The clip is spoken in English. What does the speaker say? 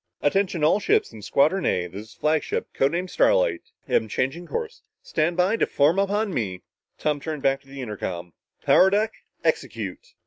"Attention all ships in Squadron A this is flagship code name Starlight am changing course. Stand by to form up on me!" Tom turned back to the intercom. "Power deck, execute!"